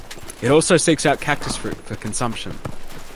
It also seeks out cactus fruit for consumption.